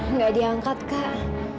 enggak diangkat kak